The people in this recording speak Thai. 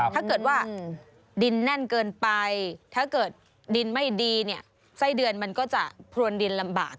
ไส้เดือนอย่างมีความสุขแนวคิดก็เป็นยังไง